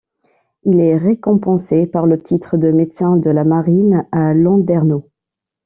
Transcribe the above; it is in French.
Il est récompensé par le titre de médecin de la Marine à Landerneau.